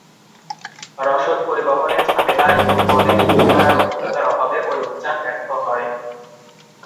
রসদ পরিবহনে ঝামেলা এবং বনে যুদ্ধ করার অভিজ্ঞতার অভাবে ঐ অভিযান ব্যর্থ হয়।